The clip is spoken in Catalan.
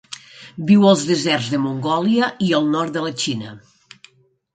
Viu als deserts de Mongòlia i el nord de la Xina.